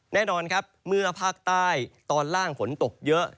แน่นอนครับเมื่อภาคใต้ตอนล่างฝนตกเยอะ